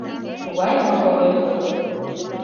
Тугай мотор ӱдыр.